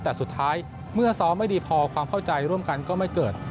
แต่สุดท้ายเมื่อซ้อมไม่ดีพอความเข้าใจร่วมกันก็ไม่เกิด